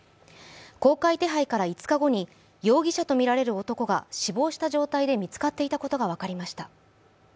公開手配から５日後に容疑者とみられる男が死亡した状態で見つかっていたことが分かりました。